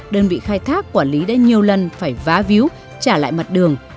đơn vị khai thác quản lý đã nhiều lần phải vá víu trả lại mặt đường